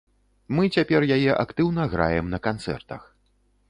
Мы цяпер яе актыўна граем на канцэртах.